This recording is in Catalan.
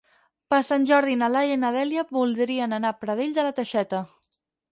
Per Sant Jordi na Laia i na Dèlia voldrien anar a Pradell de la Teixeta.